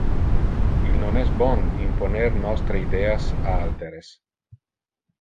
Il non es bon imponer nostre ideas a alteres.